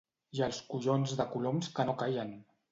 I els collons de coloms que no callen!